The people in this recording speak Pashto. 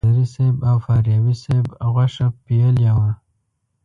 نظري صیب او فاریابي صیب غوښه پیلې وه.